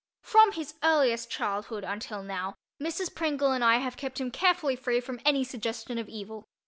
From his earliest childhood until now Mrs. Pringle and I have kept him carefully free from any suggestion of evil.